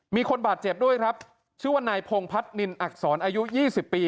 มีคนบาดเจ็บด้วยครับชื่อว่านายพงพัฒนินอักษรอายุ๒๐ปี